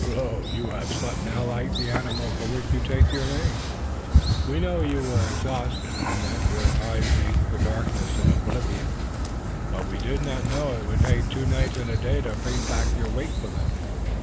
Lo, you have slept now, like the animal for which you take your name! We knew you were exhausted, and that your eyes ached for darkness and oblivion, but we did not know it would take two nights and a day to bring back your wakefulness.